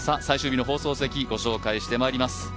最終日の放送席、御紹介してまいります。